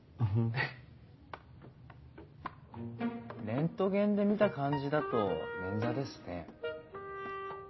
レントゲンで見た感じだと捻挫ですね。